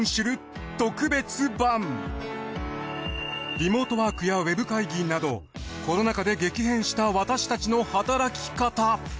リモートワークやウェブ会議などコロナ禍で激変した私たちの働き方。